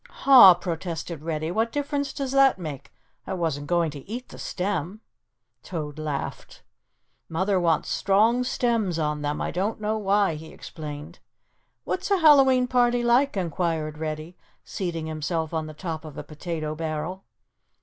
"Huh," protested Reddy, "what difference does that make? I wasn't going to eat the stem." Toad laughed. "Mother wants strong stems on them. I don't know why," he explained. "What's a Hallowe'en party like?" inquired Reddy, seating himself on the top of a potato barrel.